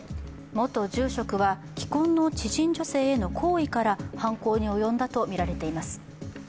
元住職は既婚の知人女性への好意から犯行に及んだとみられています。